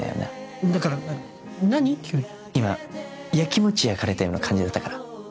今焼きもちやかれたような感じだったから。